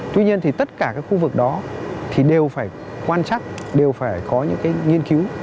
tuy nhiên thì tất cả các khu vực đó thì đều phải quan chắc đều phải có những cái nghiên cứu